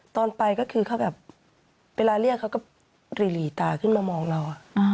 ตอนไปก็คือเขาแบบเวลาเรียกเขาก็หลีตาขึ้นมามองเรา